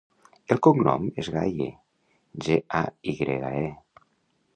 El cognom és Gaye: ge, a, i grega, e.